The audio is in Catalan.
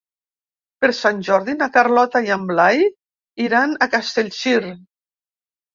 Per Sant Jordi na Carlota i en Blai iran a Castellcir.